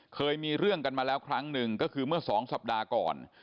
เคยมีเรื่องกันมาแล้วครั้งหนึ่งก็คือเมื่อ๒สัปดาห์ก่อน